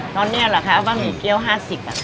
ตอนนี้แหละครับบะหมี่เกี๊ยว๕๐บาท